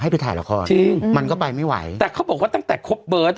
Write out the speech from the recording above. ไปถ่ายละครจริงมันก็ไปไม่ไหวแต่เขาบอกว่าตั้งแต่คบเบิร์ตอ่ะ